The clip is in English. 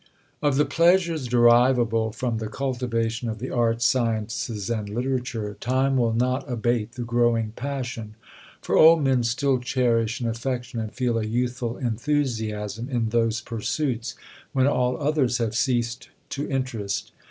Of the pleasures derivable from the cultivation of the arts, sciences, and literature, time will not abate the growing passion; for old men still cherish an affection and feel a youthful enthusiasm in those pursuits, when all others have ceased to interest.